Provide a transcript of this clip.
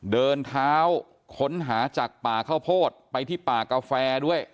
เดินเท้าค้นหาจากป่าข้าวโพดไปที่ป่ากาแฟด้วย